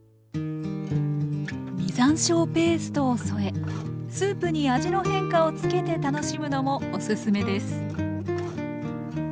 実山椒ペーストを添えスープに味の変化をつけて楽しむのもおすすめです